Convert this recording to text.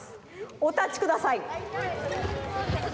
おたちください！